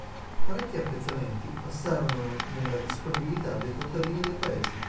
Parecchi appezzamenti passarono nella disponibilità dei contadini del paese.